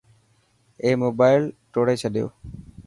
اي موبائل ٽوڙي ڇڏيو.